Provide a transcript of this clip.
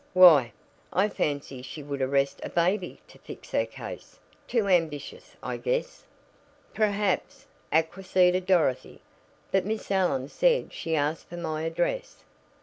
Why, I fancy she would arrest a baby to fix her case. Too ambitious, I guess." "Perhaps," acquiesced Dorothy. "But Miss Allen said she asked for my address.